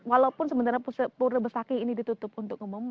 walaupun sementara pur besakih ini ditutup untuk umum